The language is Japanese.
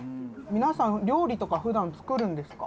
「皆さん料理とか普段作るんですか？」